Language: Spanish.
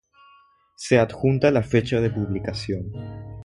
Se adjunta la fecha de publicación.